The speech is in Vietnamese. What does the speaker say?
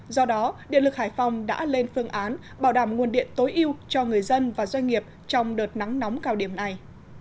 do đó điện lực hải phòng đã lên phương án bảo đảm nguồn điện tối ưu cho người dân và doanh nghiệp trong đợt nắng nóng cao điểm này